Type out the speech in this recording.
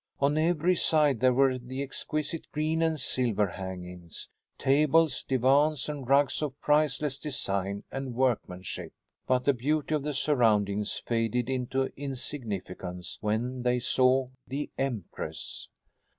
On every side there were the exquisite green and silver hangings. Tables, divans, and rugs of priceless design and workmanship. But the beauty of the surroundings faded into insignificance when they saw the empress.